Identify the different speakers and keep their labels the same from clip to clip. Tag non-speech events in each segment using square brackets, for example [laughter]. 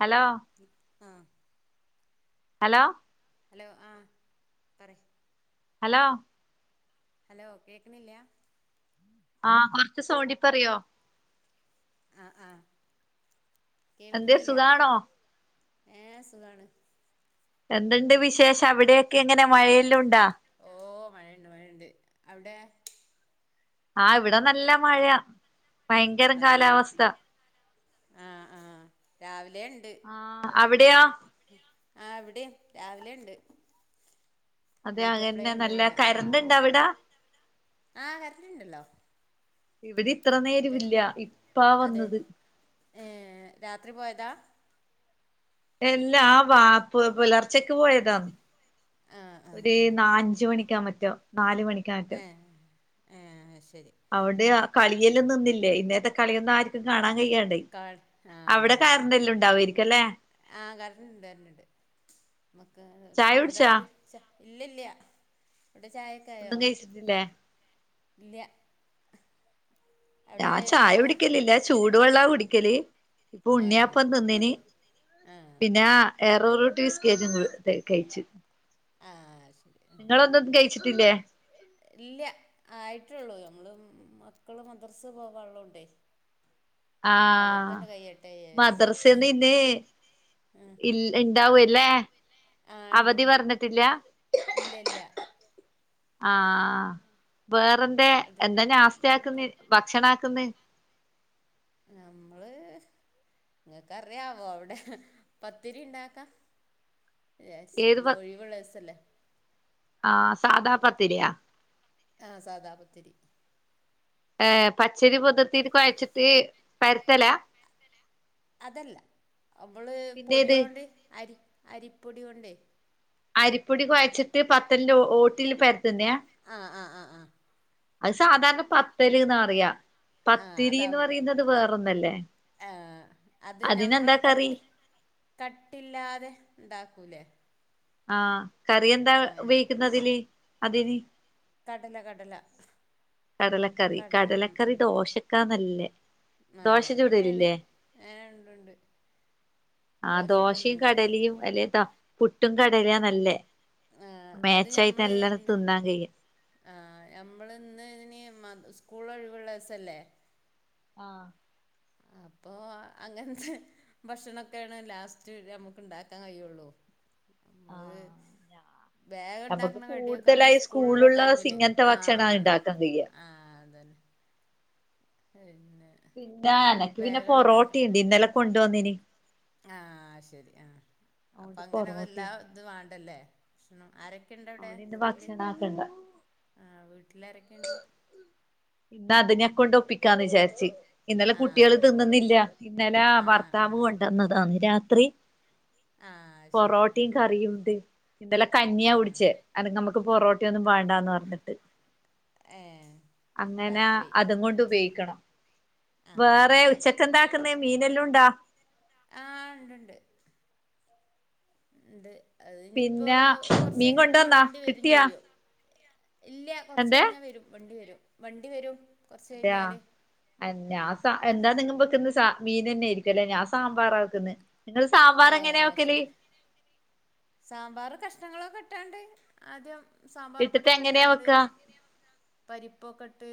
Speaker 1: Hello
Speaker 2: ആഹ്
Speaker 1: hello
Speaker 2: hello ആഹ് പറെയ്
Speaker 1: ഹലോ
Speaker 2: ഹലോ കേക്ക്ണില്ല്യ
Speaker 1: ആഹ് കൊറ്ച്ച് സോണ്ടിപ്പറയോ
Speaker 2: ആഹ് ആഹ്
Speaker 1: എന്തേ
Speaker 2: കേൾക്ക്ണില്ല
Speaker 1: സുഖാണോ
Speaker 2: ഏഹ് സുഖാണ്
Speaker 1: എന്ത്‌ണ്ട് വിശേഷം അവിടെയൊക്കെ എങ്ങനെ മഴയെല്ലം ഉണ്ടാ
Speaker 2: ഓഹ് മഴണ്ട് മഴണ്ട് അവിടെ
Speaker 1: ആഹ് ഇവിടെ നല്ല മഴയാ, ഭയങ്കരം
Speaker 2: അതെ
Speaker 1: കാലാവസ്ഥ
Speaker 2: ആഹ് ആഹ് രാവിലേണ്ട്
Speaker 1: ആഹ് അവിടെയോ
Speaker 2: ആഹ് ഇവ്ടീം രാവിലെണ്ട്
Speaker 1: അതെ അതന്നെ
Speaker 2: എണീറ്റപ്ലെണ്ട്
Speaker 1: നല്ല
Speaker 2: വിടെ ആഹ്
Speaker 1: കരണ്ട് ഇണ്ട അവിടെ
Speaker 2: ആഹ് ആഹ് കരന്റ്ണ്ടല്ലോ
Speaker 1: ഇവിടെ ഇത്ര നേരവില്ല ഇപ്പാ
Speaker 2: അതെ
Speaker 1: വന്നത്
Speaker 2: ഏഹ് രാത്രി പോയതാ
Speaker 1: എല്ലാ വാപ് പുലർച്ചക്ക് പോയതാ
Speaker 2: ആഹ് ആഹ്
Speaker 1: ഒര്
Speaker 2: ആഹ്
Speaker 1: നാ അഞ്ച് മണിക്ക മറ്റോ നാലു മണിക്കറ്റൊ
Speaker 2: ഏഹ് ഏഹ് അത് ശെരി
Speaker 1: അവിടെയാ കളിയെല്ലാം നിന്നില്ലേ ഇന്നത്തെ കളിയൊന്നും ആർക്കും കാണാൻ കഴിയാണ്
Speaker 2: ക ആഹ്
Speaker 1: ഉണ്ടാവുമായിരിക്കും അല്ലേ
Speaker 2: ആഹ് കറന്റ്‌ ഉണ്ട് കറന്റ്‌ ഉണ്ട് മ്മക്ക്
Speaker 1: ചായ കുടിച്ചാ
Speaker 2: എന്തായി ച്ച ഇല്ലില്ല അവിടെ ചായെക്കായോ
Speaker 1: ഏഹ്
Speaker 2: ഇല്ല്യ
Speaker 1: ഞാൻ ചായ കുടിക്കലില്ല ചൂടുവെള്ളാ കുടിക്കല് ഇപ്പൊ
Speaker 2: ഏഹ്
Speaker 1: ഉണ്ണിയപ്പം
Speaker 2: ശരി
Speaker 1: തിന്നിന്
Speaker 2: ആഹ്
Speaker 1: പിന്നാ എരോറൂട്ടി ബിസ്കറ്റ് ഉം കഴിച്
Speaker 2: ആഹ് ശരി
Speaker 1: നിങ്ങളൊന്നും കഴിച്ചിട്ടില്ലേ
Speaker 2: ഇല്ല ആയിട്ടേള്ളൂ ഞമ്മള് മക്കള് മദ്രസെ പോകാൻ ഉള്ളോണ്ടേ
Speaker 1: ആഹ്
Speaker 2: കയ്യട്ടെ വിചാരിച്ച്
Speaker 1: മദ്രസേന്ന് ഇനി
Speaker 2: ആഹ്
Speaker 1: ഇൽ ഇണ്ടാവും ഇല്ലേ
Speaker 2: ആഹ്
Speaker 1: അവധി
Speaker 2: ഉണ്ടുണ്ട്
Speaker 1: പറഞ്ഞിട്ടില്ല
Speaker 2: ഇല്ല ഇല്ല
Speaker 1: [inaudible] ആഹ് വേറെന്തെ
Speaker 2: അത്
Speaker 1: എന്താ നാസ്താ
Speaker 2: വേറെക്കെ
Speaker 1: ആക്കുന്നേ ഭക്ഷണാക്ക്ന്നെ
Speaker 2: നമ്മള് ങ്ങക്ക് അറിയാവോ അവിടെ പത്തിരി ഉണ്ടാക്കാ വിചാരിച്ചു
Speaker 1: ഏത്
Speaker 2: ന്ന്
Speaker 1: ഭ
Speaker 2: ഒഴിവുള്ള ദിവസല്ലെ
Speaker 1: ആഹ് സാദാ പത്തിരിയാ
Speaker 2: ആഹ് സാദാപത്തിരി
Speaker 1: ഏഹ് പച്ചരി കുതർത്തീട്ട് കുഴച്ചിട്ട് പരത്തല
Speaker 2: അതല്ല നമ്മള്
Speaker 1: പിന്നേത്
Speaker 2: പൊടിയോണ്ട് അരി അരിപ്പൊടി കൊണ്ടെ
Speaker 1: അരിപ്പൊടി കുഴച്ചിട്ട് പത്തൽ ന്റെ ഓട്ടിൽ പരുത്തുന്നെയാ
Speaker 2: ആഹ് ആഹ് ആഹ് ആഹ്
Speaker 1: അത് സാധാരണ പത്തല്ന്ന് പറയ
Speaker 2: ആ
Speaker 1: പത്തിരിന്ന് പറയുന്നത് വേറൊന്നല്ലേ
Speaker 2: ആഹ് അത്
Speaker 1: അതിനെന്താ
Speaker 2: നമ്മള്
Speaker 1: കറി
Speaker 2: കട്ടി കട്ടില്ലാതെ ഉണ്ടാക്കൂലേ
Speaker 1: ആഹ് കറി എന്താ
Speaker 2: അങ്ങനെ
Speaker 1: ഉപയോഗിക്കുന്നതില് അതിന്
Speaker 2: കടല കടല
Speaker 1: കടലക്കറി
Speaker 2: കടല
Speaker 1: കടലക്കറി ദോശക്കാ നല്ലേ
Speaker 2: ആഹ് അതന്നെയാണ് ആഹ് ഉണ്ട് ഉണ്ട്
Speaker 1: ആഹ്
Speaker 2: ദോശ
Speaker 1: ദോശയും
Speaker 2: ചുടലുണ്ട്
Speaker 1: കടലിയും അല്ലെത പുട്ടും കടല നല്ലയ
Speaker 2: ആ
Speaker 1: മാച്ച് ആയിട്ട് നല്ലോണം തിന്നാൻ കഴിയും
Speaker 2: ആഹ് നമ്മള് ഇന്ന് ഇനി സ്കൂൾ ഒഴിവുള്ള ദിവസം അല്ലേ
Speaker 1: ആഹ്
Speaker 2: അപ്പൊ അങ്ങനത്തെ ഭക്ഷണൊക്കെയാണ് ലാസ്റ്റ് നമ്മുക്ക് ഇണ്ടാക്കാൻ കഴിയുള്ളു നമ്മള്
Speaker 1: ആഹ്
Speaker 2: വേഗം
Speaker 1: നമുക്ക്
Speaker 2: ഉണ്ടാക്കണ കടിയൊക്കെ നമ്മള്
Speaker 1: കൂടുതലായി
Speaker 2: സ്കൂൾ ഉള്ള
Speaker 1: സ്കൂളുള്ള ദിവസം
Speaker 2: ടൈമില്
Speaker 1: ഇങ്ങനത്തെ ഭക്ഷണാ
Speaker 2: ആഹ്
Speaker 1: ഇണ്ടാക്കാൻ കഴിയാ
Speaker 2: ആഹ് അതന്നെ പിന്നെ
Speaker 1: പിന്നെ എനക്ക് പിന്നെ
Speaker 2: വേഗം
Speaker 1: പൊറോട്ടി ണ്ട് ഇന്നലെ കൊണ്ട് വന്നിനി
Speaker 2: ആഹ് ശരി ആഹ് അപ്പൊ അങ്ങന വല്ലാ
Speaker 1: പൊറോട്ടയുണ്ട്
Speaker 2: ഇത് വേണ്ടല്ലേ ഭക്ഷണം ആരൊക്കെയുണ്ട് അവിടെ
Speaker 1: അതുകൊണ്ട് ഇന്ന്
Speaker 2: വീട്ടില്
Speaker 1: ഭക്ഷണം ആക്കണ്ട
Speaker 2: ആഹ് വീട്ടില് ആരൊക്കെയുണ്ട്
Speaker 1: ഇന്ന് അതിനെ കൊണ്ട് ഒപ്പിക്കാന്ന് വിചാരിച്ച് ഇന്നല
Speaker 2: ആ
Speaker 1: കുട്ടികള് തിന്നുന്നില്ല ഇന്നല
Speaker 2: ആ ആ
Speaker 1: ഭർത്താവ്
Speaker 2: ആ
Speaker 1: കൊണ്ടന്ന് തന്ന് രാത്രി
Speaker 2: ആഹ്
Speaker 1: പൊറോട്ടിയും കറിയും ഉണ്ട് ഇന്നല കഞ്ഞിയാ
Speaker 2: ആഹ്
Speaker 1: കുടിച്ചേ അത് നമുക്ക് പൊറോട് മറ്റോന്നും വേണ്ട എന്ന് പറഞ്ഞിട്ട്
Speaker 2: ഏഹ്
Speaker 1: അങ്ങനെ
Speaker 2: രാത്രി
Speaker 1: അതും കൊണ്ട് ഉപയോഗിക്കണം
Speaker 2: ആഹ്
Speaker 1: വേറെ ഉച്ചക്കെന്താക്കുന്ന മീനെല്ലാം ഉണ്ടോ
Speaker 2: ആഹ് ഉണ്ട്ണ്ട് ഉണ്ട് അത് ഇനിയിപ്പോ
Speaker 1: പിന്നെ
Speaker 2: കൊറച്ച് കഴിഞ്ഞാ മീൻ
Speaker 1: കൊണ്ടുവന്നാ
Speaker 2: വണ്ടി വരും
Speaker 1: കിട്ടിയാ
Speaker 2: ചെയ്യും ഇല്ല കുറച്ച്
Speaker 1: എന്തേ
Speaker 2: കഴിഞ്ഞാൽ വരും വണ്ടി വരും വണ്ടി വരും കുറച്ച്
Speaker 1: അതെയാ
Speaker 2: കഴിഞ്ഞാല് ഉം
Speaker 1: ഞാൻ സ എന്താ നിങ്ങ വെക്കുന്ന മീൻ തന്നൊയിരിക്കല്ലേ ഞാൻ സാമ്പാറാ വെക്കുന്നത് നിങ്ങള് സാമ്പാർ എങ്ങനെയാ
Speaker 2: ഏഹ്
Speaker 1: വെക്കല്
Speaker 2: ശരി സാമ്പാർ കഷ്ണങ്ങളൊക്കെ ഇട്ടാണ്ട് ആദ്യം സാമ്പാർ
Speaker 1: ഇട്ടിട്ട് എങ്ങനെയാ
Speaker 2: പൊടിയൊക്കെട്ടാണ്ട്
Speaker 1: വെക്കാ
Speaker 2: പരിപ്പൊക്കെ ഇട്ട്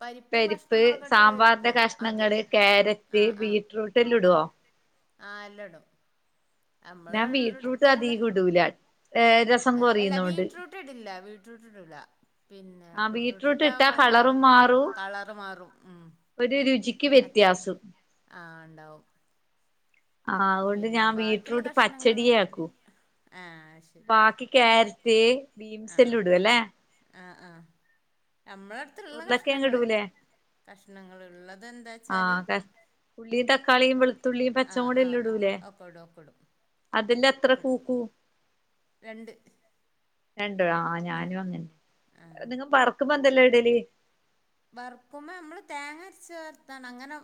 Speaker 2: പരിപ്പും
Speaker 1: പരിപ്പ്
Speaker 2: കഷ്ണങ്ങളൊക്കെ ഇട്ട്
Speaker 1: സാമ്പാറിന്റെ
Speaker 2: വേവിക്കും ആദ്യം
Speaker 1: കഷ്ണങ്ങള് ക്യാരറ്റ്
Speaker 2: ആഹ് ആഹ്
Speaker 1: ബീറ്റ്റൂട്ട് എല്ലാം
Speaker 2: ഉം
Speaker 1: ഇടുവോ
Speaker 2: ആഹ് എല്ലാം ഇടും നമ്മള
Speaker 1: ഞാൻ ബീറ്റ്റൂട്ട്
Speaker 2: എടുത്തുള്ള
Speaker 1: അധികം ഇടൂല ഏഹ് രസം
Speaker 2: ഇല്ല
Speaker 1: കൊറിയുന്നോണ്ട്
Speaker 2: ബീറ്റ്റൂട്ട് ഇടില്ല ബീറ്റ്റൂട്ട് ഇടില്ല പിന്നെ
Speaker 1: ആഹ്
Speaker 2: ബീറ്റ്‌റൂറ്റ്
Speaker 1: ബീറ്റ്റൂട്ട് ഇട്ടാ
Speaker 2: ഇട്ടാൽ
Speaker 1: കളറും മാറും
Speaker 2: കളർ മാറും ഉം
Speaker 1: ഒരു രുചിക്ക് വ്യത്യാസം
Speaker 2: ആഹ് ഇണ്ടാവും
Speaker 1: ആ അതുകൊണ്ട് ഞാൻ
Speaker 2: ബാക്കിയുള്ള
Speaker 1: ബീറ്റ്റൂട്ട്
Speaker 2: കഷ്ണങ്ങള്
Speaker 1: പച്ചടിയ ആക്കും
Speaker 2: ആഹ് ശരി
Speaker 1: ബാക്കി ക്യാരറ്റ്
Speaker 2: ആഹ്
Speaker 1: ബീൻസെല്ലാം ഇടുവല്ലേ
Speaker 2: ആഹ് ആഹ് നമ്മളടുത്തുള്ള
Speaker 1: ഉരുളക്കിഴങ്ങ്
Speaker 2: കഷ്ണങ്ങള്
Speaker 1: ഇടൂലേ
Speaker 2: കഷ്ണങ്ങള് ഉള്ളത് എന്താ
Speaker 1: ആഹ്
Speaker 2: വെച്ചാല്
Speaker 1: ക ഉള്ളി തക്കാളി വെളുത്തുള്ളിയും പച്ച
Speaker 2: ആ
Speaker 1: കൂടി
Speaker 2: ആ
Speaker 1: എല്ലാം ഇടൂലേ
Speaker 2: ആ ഒക്കെ ഇടും ഒക്കെ ഇടും
Speaker 1: അതിന്റത്ര
Speaker 2: ഒക്കെ ഇടും
Speaker 1: പൂക്കൂ
Speaker 2: രണ്ട്
Speaker 1: രണ്ടു ആ ഞാനും അങ്ങനെ
Speaker 2: ആ
Speaker 1: നിങ്ങ വറക്കുമ്പോ എന്തല്ലോ ഇടല്
Speaker 2: വറക്കുമ്പോ നമ്മള് തേങ്ങ അരച്ച് വർത്താണ് അങ്ങനെ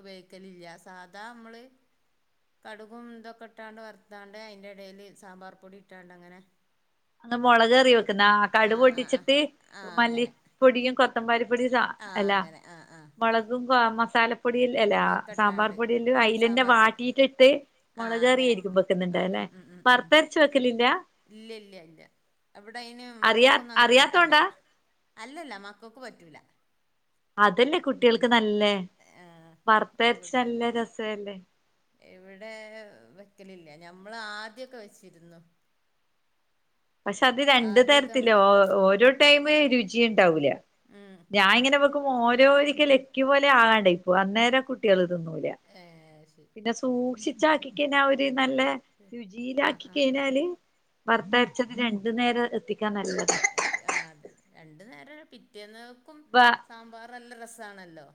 Speaker 2: ഉപയോഗിക്കലില്ല സാധാ നമ്മള് കടുകും ഇതൊക്കെ ഇട്ടാണ്ട് വറുത്താണ്ട് അതിൻ്റെ ഇടയിൽ സാമ്പാർ പൊടി ഇട്ടാണ്ട് അങ്ങനെ
Speaker 1: ഇന്ന് മുളക് കറിയാ വെക്കുന്ന ആ കടുക്
Speaker 2: ആ ആ
Speaker 1: പൊട്ടിച്ചിട്ട്
Speaker 2: ആ
Speaker 1: മല്ലി
Speaker 2: അങ്ങനെ
Speaker 1: പൊടിയും കൊത്തമ്പാരിപ്പൊടിയും
Speaker 2: ആ
Speaker 1: അല്ലാ
Speaker 2: അങ്ങനെ ആ ആ
Speaker 1: മുളകും മസാല പൊടില്ല അല്ല
Speaker 2: ഒക്കെ
Speaker 1: സാമ്പാർ
Speaker 2: ഇട്ടാണ്ട്
Speaker 1: പൊടീല്ല അയിലന്നെ
Speaker 2: സാമ്പാർ പൊടി
Speaker 1: വാട്ടിട്ട്
Speaker 2: ആ
Speaker 1: മുളകറി
Speaker 2: അങ്ങനെ
Speaker 1: ആയിരിക്കും വെ ക്ക്ന്ന്ണ്ട്
Speaker 2: ആ
Speaker 1: അല്ലേ
Speaker 2: ഉം ഉം ഉം ഉം
Speaker 1: വറ്ത്തരച്ച് വെക്കലില്ലേ
Speaker 2: ഇല്ല ഇല്ല ഇല്ല അവിടെ അയിന്
Speaker 1: അറിയാ
Speaker 2: മക്കൾക്കൊന്നും അങ്ങനെ പറ്റൂല
Speaker 1: അറിയാത്തോണ്ടാ
Speaker 2: അല്ലല്ല മക്കൾക്ക് പറ്റൂല
Speaker 1: അതല്ലേ കുട്ടികൾക്ക് നല്ലേ
Speaker 2: ആഹ്
Speaker 1: വറുത്തരച്ച്
Speaker 2: അവിടെ
Speaker 1: നല്ല രസല്ലേ
Speaker 2: ഇവിടെ വെക്കലില്ല ഞമ്മള് ആദ്യക്കെ വെച്ചിരുന്നു
Speaker 1: പക്ഷെ അത് രണ്ടു
Speaker 2: ആദ്യൊക്കെ
Speaker 1: തരത്തി
Speaker 2: നമ്മള്
Speaker 1: ഓരോ ടൈം രുചി ഐണ്ടാവൂല്ല
Speaker 2: ഉം
Speaker 1: ഞാനിങ്ങനെ ഓരോ ഒരിക്കലക്കി പോലെ ആകാണ്ട ഇപ്പൊ അന്നേരം കുട്ടികൾ തിന്നൂല
Speaker 2: ഏഹ് ശരി
Speaker 1: പിന്നെ സൂക്ഷിച്ചാക്കിക്കഴിഞ്ഞാ ഒരു നല്ല
Speaker 2: ആഹ്
Speaker 1: രുചിയിലാക്കി
Speaker 2: ആഹ് ആഹ്
Speaker 1: കഴിഞ്ഞാല് വർത്തരച്ചത് രണ്ടു നേരം എത്തിക്കാൻ നല്ലത്
Speaker 2: ആ അതെ രണ്ടു നേരം പിറ്റേന്നക്കും
Speaker 1: വ
Speaker 2: സാമ്പാർ നല്ല രസമാണല്ലോ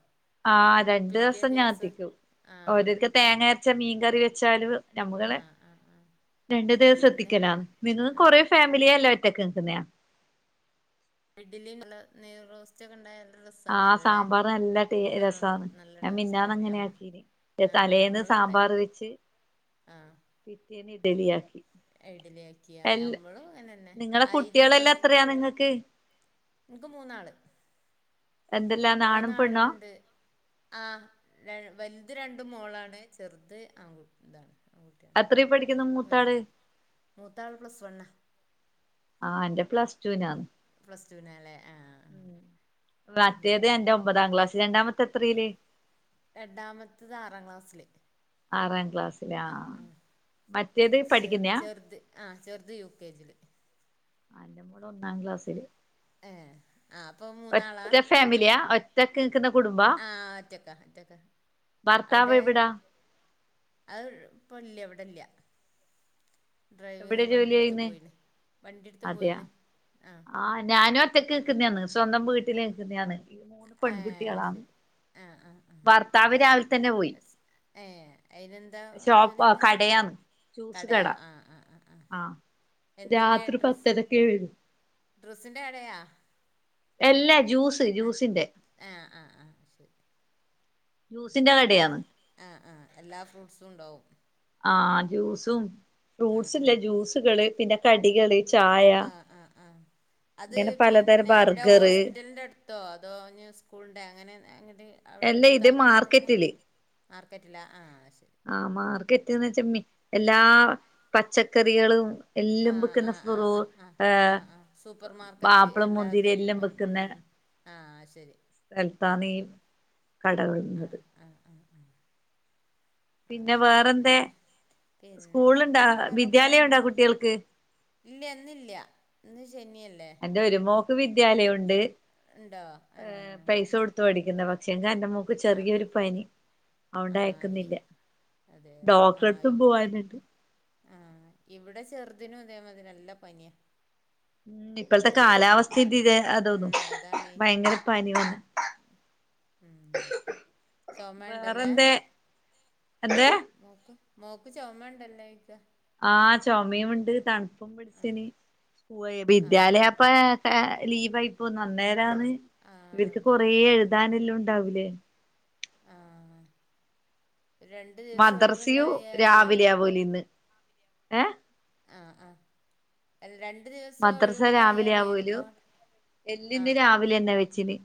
Speaker 1: ആഹ് രണ്ടുസം ഞാൻ എത്തിക്കും
Speaker 2: ആഹ്
Speaker 1: ഓരക്കെ തേങ്ങ അരച്ച മീൻ കറി വെച്ചാല് നമ്മ
Speaker 2: ആഹ് ആഹ് ആഹ്
Speaker 1: രണ്ടു ദിവസം
Speaker 2: പിന്നെ
Speaker 1: എത്തിക്കല നിങ്ങള് കൊറേ ഫാമിലിയല്ല ഒറ്റക്ക് നിക്കുന്നാ
Speaker 2: ഇഡ്ഡലി നൈറോസ്റ്റ് ഉച്ചക്കെണ്ടായ നല്ല രസം
Speaker 1: ആഹ്
Speaker 2: ആണല്ലോ അല്ലെ
Speaker 1: സാമ്പാർ നല്ല ടേ
Speaker 2: ആ
Speaker 1: രസാണ്
Speaker 2: നല്ല
Speaker 1: ഞാൻ മിന്നാന്ന്
Speaker 2: ടേസ്റ്റാണ്
Speaker 1: അങ്ങനെ
Speaker 2: മ്മള്
Speaker 1: ആക്കീന് തലേന്ന് സാമ്പാർ വെച്ച്
Speaker 2: ആഹ്
Speaker 1: പിറ്റേന്ന് ഇഡ്ഡലി ആക്കി
Speaker 2: ഇഡ്ഡലി ആക്കിയ
Speaker 1: രണ്ടു
Speaker 2: ഞമ്മളും അങ്ങനെന്നെ
Speaker 1: നിങ്ങളെ
Speaker 2: അരി
Speaker 1: കുട്ടികളെല്ലാം എത്രയാണ് നിങ്ങക്ക്
Speaker 2: എനക്ക് മൂന്നാള്
Speaker 1: എന്തെല്ലാന്ന് ആണും പെണ്ണോ
Speaker 2: മൂന്നാളുണ്ട് ആ വലുത് രണ്ട് മോളാണ് ചെറുത് ആൺകുട്ടി ഇതാണ് ആൺകുട്ടിയാണ്
Speaker 1: എത്രയി പഠിക്കുന്നു മൂത്താള്
Speaker 2: മോനുണ്ട് മൂത്താള് പ്ലസ് വണ്
Speaker 1: ആഹ് എന്റെ പ്ലസ് ടുവിനാ
Speaker 2: പ്ലസ് ടു വിനായല്ലേ
Speaker 1: മറ്റേത് എന്റെ ഒമ്പതാം ക്ലാസ് രണ്ടാമത്തെ എത്രയില്?
Speaker 2: രണ്ടാമത്തത് ആറാം ക്ലാസ്സില്
Speaker 1: ആറാം ക്ലാസ്സിലാ മറ്റേത്-
Speaker 2: ചെറ
Speaker 1: പഠിക്കുന്നയാ
Speaker 2: ചെറുത് ആ ചെറുത് യു കെ ജി ല്
Speaker 1: ആ എന്റെ മോള് ഒന്നാം ക്ലാസ്സില്
Speaker 2: ഏ അപ്പൊ മൂന്നാളാ
Speaker 1: ഒറ്റ ഫാമിലിയാ ഒറ്റക്ക് നിൽക്കുന്ന കുടുംബം
Speaker 2: ആഹ് ഒറ്റക്കാ ഒറ്റക്ക
Speaker 1: ഭർത്താവ്
Speaker 2: അവിടെ-
Speaker 1: എവിടാ
Speaker 2: അത് ഇപ്പല്ല ഇവിടില്ല ഡ്രൈവിംങ്ങ്
Speaker 1: എവിടെ ജോലി
Speaker 2: വണ്ടിയെടുത്ത്
Speaker 1: ചെയ്യുന്നെ
Speaker 2: പോയിന് വണ്ടിയ എടുത്ത് പോയിന് ആ
Speaker 1: ആ ഞാനും ഒറ്റക്ക് നിക്കുന്നതന്ന് സ്വന്തം വീട്ടില് നിക്കുന്നതാണ് മൂന്ന്
Speaker 2: ഏ
Speaker 1: പെൺകുട്ടികളാണ്
Speaker 2: ശരി ആ ആ ആ
Speaker 1: ഭർത്താവ് രാവി - തന്നെ പോയി
Speaker 2: സ് ഏ അയിനെന്താ ജോലി
Speaker 1: ഷോപ്പ്
Speaker 2: എന്താ
Speaker 1: കടയാന്ന് ജൂസ് കട
Speaker 2: കടയാ ആ ആ ആ ആ
Speaker 1: ആഹ
Speaker 2: എന്തിന്റെ
Speaker 1: രാത്രി
Speaker 2: ഡ്രസ്സ്
Speaker 1: പത്തരക്കെ വരൂ
Speaker 2: ഡ്രസ്സിന്റെ കടയാ
Speaker 1: അല്ല ജ്യൂസ് ജ്യൂസിന്റെ
Speaker 2: ആഹ് ആഹ് ആഹ് ശരി
Speaker 1: ജ്യൂസിന്റെ കടയാണ്
Speaker 2: ആ ഹ് ആഹ് എല്ലാ ഫ്രൂട്ട്സും ഉണ്ടാവും
Speaker 1: ആഹ് ജ്യൂസും
Speaker 2: ആ
Speaker 1: ഫ്രൂട്ട്സ് ഇല്ല
Speaker 2: ആ
Speaker 1: ജ്യൂസുകള് പിന്നെ കടികള് ചായ
Speaker 2: ആഹ് ആഹ് ആഹ് അത്
Speaker 1: ഇങ്ങനെ പലതരം
Speaker 2: പിന്നെ ഇവിടെ
Speaker 1: ബർഗറ്
Speaker 2: ഹോസ്പിറ്റലിന്റെ അടു- എന്തൊ അതോ സ്കൂളിണ്ട അങ്ങനെ അങ്ങ അവിടെ
Speaker 1: എല്ലാം
Speaker 2: എടുത്താ
Speaker 1: ഇത്
Speaker 2: അങ്ങനെ എന്തൊ
Speaker 1: മാർക്കറ്റില്
Speaker 2: - മാർക്കറ്റില ആ ശരി
Speaker 1: ആഹ് മാർക്കറ്റ്ന്ന് വെച്ച എല്ലാ പച്ചക്കറികളും- എല്ലാം
Speaker 2: ആഹ്
Speaker 1: വെക്കുന്ന
Speaker 2: ആഹ്
Speaker 1: ഫ്രൂ.
Speaker 2: ആഹ് ആഹ് ആഹ്
Speaker 1: എ-
Speaker 2: ആഹ് ആഹ് സൂപ്പർ മാർക്കറ്റ് എല്ലാതും ഉം ഉം ഉം ആഹ് ശരി
Speaker 1: ഹെല്പ് അന്നേ ഈ കട
Speaker 2: ആഹ്
Speaker 1: വന്നത്
Speaker 2: ആഹ് ആഹ് ആഹ് ആ
Speaker 1: പിന്നെ
Speaker 2: ശരി
Speaker 1: വേറെന്തേ
Speaker 2: പിന്നെ ഒക്കെ എന്താ
Speaker 1: സ്കൂളുണ്ടാ
Speaker 2: അങ്ങനെ
Speaker 1: വിദ്യാലയം
Speaker 2: പോവണ്ട്
Speaker 1: ഉണ്ടാ കുട്ടികൾക്ക്
Speaker 2: ഇല്ല ഇന്നില്ല ഇന്ന് ശനിയല്ല
Speaker 1: എന്റെ ഒരു മോക്ക് വിദ്യാലയം ഒണ്ട്
Speaker 2: ഉണ്ടോ ആഹ്
Speaker 1: പൈസ കൊടുത്ത്- പഠിക്കുന്ന പക്ഷെ എന്റെ മോക്ക്
Speaker 2: ആഹ് ആഹ്
Speaker 1: ചെറിയൊരു പനി അത് കൊണ്ട്
Speaker 2: ആഹ് ഈ
Speaker 1: അയക്കുന്നില്ല
Speaker 2: അതെയോ
Speaker 1: ഡോക്ടറടുത്തും
Speaker 2: ആഹ്
Speaker 1: പോവാഞ്ഞിട്ട്-
Speaker 2: ആഹ് ഇവിടെ ചെറുതിനും അതേ മതിരി നല്ല പനിയ
Speaker 1: ഉം ഇപ്പോഴത്തെ കാലാവസ്ഥന്റെ ഇതാ അതോന്നു
Speaker 2: ഉം അതാണേ
Speaker 1: ഭയങ്കര പനി വന്ന് [inaudible]
Speaker 2: ഉം ചുമയുണ്ട് അല്ലേ
Speaker 1: എന്ത്‌
Speaker 2: മോക്ക് മോക്ക് ചോമ ഒണ്ടല്ലോ എക്ക്
Speaker 1: ആഹ് ചോമയുണ്ട് തണുപ്പും
Speaker 2: ആഹ്
Speaker 1: പിടിച്ചന് പോ
Speaker 2: ആഹ് ആഹ്
Speaker 1: വിദ്യാലയപ്പ- ലീവായിപ്പോ അന്നേരാണ്
Speaker 2: ആഹ്
Speaker 1: ഇവർക്ക് കൊറ
Speaker 2: അതന്നെ
Speaker 1: എഴുതാനെല്ലാം ഉണ്ടാവൂലേ
Speaker 2: ആഹ രണ്ടു ദിവസം
Speaker 1: മദ്രസയും
Speaker 2: ഒഴിവുണ്ടായാലേ-
Speaker 1: രാവിലെ ആവൂലേ ഇന്ന് ഏഹ്
Speaker 2: ആഹ് ആഹ് രണ്ടു ദിവസം
Speaker 1: മദ്രസ രാവിലെ ആവൂലു
Speaker 2: ഒഴിവുണ്ടായാലേരിപ്പോ
Speaker 1: എല്ലാം ഇന്ന്
Speaker 2: ആഹ്
Speaker 1: രാവിലെ വെച്ചിന്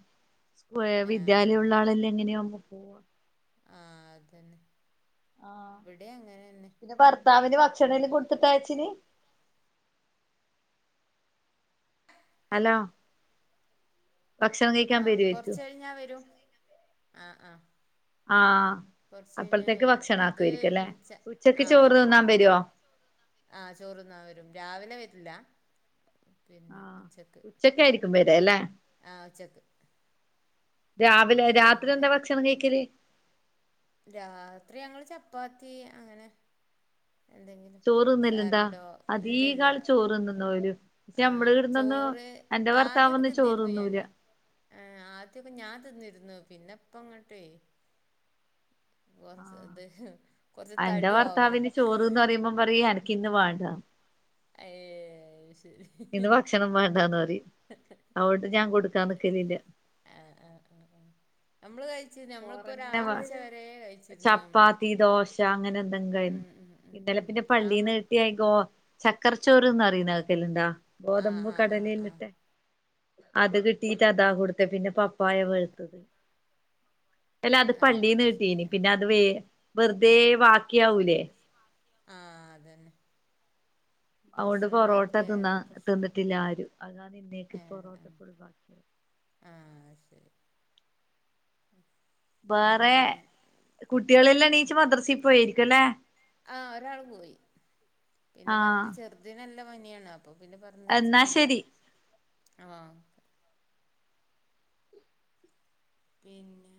Speaker 1: വിദ്യാലയം
Speaker 2: ആഹ്
Speaker 1: ഉള്ള ആളെല്ലാം എങ്ങനെയാവുമ്പോ പോവാ
Speaker 2: ആഹ് അതന്നെ ഇവിടെ അങ്ങനെന്നെ
Speaker 1: പിന്നെ ഭർത്താവിന് ഭക്ഷണം കൊടുത്തിട്ടാ അയച്ചിന് ഹലോ ഭക്ഷണം കഴിക്കാൻ
Speaker 2: ആഹ്
Speaker 1: വരുവായിരിക്കും
Speaker 2: കുറച്ചു കഴിഞ്ഞാ വരും ആഹ് ആഹ്
Speaker 1: ആഹ്
Speaker 2: കൊറച്ച് കഴിഞ്ഞാ
Speaker 1: അപ്പോളത്തേക്ക്
Speaker 2: വരും
Speaker 1: ഭക്ഷണ
Speaker 2: അത്
Speaker 1: ആക്കുരിക്കുംല്ലേ
Speaker 2: ച
Speaker 1: ഉച്ചക്ക് ചോറ് തിന്നാൻ വരുവോ
Speaker 2: ആ ചോറ് തിന്നാൻ വരും രാവിലെ വരൂല്ല പിന്നെ
Speaker 1: ആഹ്
Speaker 2: ഉച്ചക്ക്
Speaker 1: ഉച്ചക്കായിരിക്കും വരാല്ലേ
Speaker 2: ആ ഉച്ചക്ക്
Speaker 1: രാവിലെ രാത്രി
Speaker 2: പിന്നെ
Speaker 1: എന്താ ഭക്ഷണം കഴിക്കല്
Speaker 2: രാത്രി ഞങ്ങള് ചപ്പാത്തി അങ്ങനെ എന്തെങ്കിലും
Speaker 1: ചോറ് തിന്നലുണ്ടാ
Speaker 2: സാലഡോ
Speaker 1: അധിക
Speaker 2: ഇല്ലില്ല
Speaker 1: ആള് ചോറ് തിന്നുന്നോല് പക്ഷെ നമ്മള്
Speaker 2: ആഹ്
Speaker 1: ഇവിടുന്നൊന്നും
Speaker 2: ചോറ്
Speaker 1: എന്റെ
Speaker 2: ആദ്യൊക്കെ
Speaker 1: ഭർത്താവൊന്നും ചോറ്
Speaker 2: തിന്നിരുന്നു
Speaker 1: തിന്നൂല
Speaker 2: ഞാന് ആഹ് ആദ്യൊക്കെ ഞാൻ തിന്നിരുന്നു പിന്നപ്പം ഇ ങ്ങട്ടേ കൊറച്ച് ഇത് കൊറച്ച് തടി ഓവറാ
Speaker 1: അപ്പ പറയൂ എനിക്കിന്ന് വേണ്ടാ
Speaker 2: അയേ ശരി
Speaker 1: ഇന്ന് ഭക്ഷണം വേണ്ടാന്ന് പറയും അത്കൊണ്ട് ഞാൻ കൊടുക്കാൻ നിക്കലില്ല
Speaker 2: ആഹ് ആഹ് ആഹ് ആഹ് നമ്മള് കഴിച്ചു നമ്മളിപ്പോ
Speaker 1: ചോറന്നെ വാ
Speaker 2: ഒരാഴ്ച വര കഴിച്ചിരുന്നു നമ്മള്
Speaker 1: ചപ്പാത്തി ദോശ അങ്ങനെ
Speaker 2: ഉം
Speaker 1: എന്തെങ്കായിരുന്നു
Speaker 2: ഉം
Speaker 1: ഇന്നലെ
Speaker 2: ഉം
Speaker 1: പിന്നെ
Speaker 2: ആമ്മ
Speaker 1: പള്ളീന്ന് കിട്ടിയ എഗോ ചക്കരച്ചോറ്ന്ന് അറിയുന്നക്കലുണ്ടാ
Speaker 2: ആഹ്
Speaker 1: ഗോതമ്പ്
Speaker 2: ആഹ് ആഹ് ആഹ്
Speaker 1: കടലല്ലിട്ടെ അത് കിട്ടിട്ട് അതാ കൊടുത്ത പിന്നെ പപ്പായ പഴുത്തത് അല്ല അത് പള്ളീന്ന്
Speaker 2: ആഹ് ശരി
Speaker 1: കിട്ടീന്
Speaker 2: ആഹ്
Speaker 1: പിന്നെ അത് വെ വെറുതെ ബാക്കിയാവൂലേ
Speaker 2: ആഹ് അതന്നെ
Speaker 1: അതുകൊണ്ട്
Speaker 2: ഭക്ഷണം
Speaker 1: പൊറോട്ട തിന്നാ
Speaker 2: ബാക്കിയായതും പ്രശ്നാണ്
Speaker 1: തിന്നിട്ടില്ല ആരും അതാണിന്നേക്ക്
Speaker 2: ഏഹ് ആഹ്
Speaker 1: പൊറോട്ടപ്പൊ ഒഴിവാക്കിയത്
Speaker 2: ആഹ് അത് ശരി [inaudible]
Speaker 1: ബേറെ
Speaker 2: പിന്നെ
Speaker 1: കുട്ടികളെല്ലാം എണീച്ചു മദ്രസീ പോയായിരിക്കുല്ലേ
Speaker 2: ആഹ് ഒരാള് പോയി പിന്നെ പറ്റ
Speaker 1: ആഹ്
Speaker 2: ചെർ തിന് നല്ല പനിയാണ് അപ്പൊ പിന്നെ
Speaker 1: എന്നാ
Speaker 2: പറഞ്ഞയച്ചിട്ടില്ല
Speaker 1: ശരി
Speaker 2: ആഹ് പിന്നെ